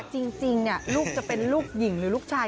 จริงลูกจะเป็นลูกหญิงหรือลูกชาย